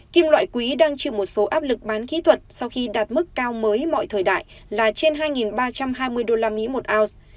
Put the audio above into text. kim loại quý đang chịu một số áp lực bán kỹ thuật sau khi đạt mức cao mới mọi thời đại là trên hai ba trăm hai mươi usd một ounce